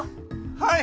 はい！